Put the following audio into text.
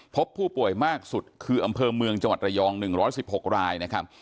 พบผู้ป่วยมากสุดคืออำเภอเมืองจังหวัดระยอง๑๑๖รายนะครับ